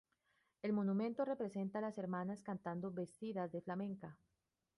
Este monumento representa a las hermanas cantando vestidas de flamenca.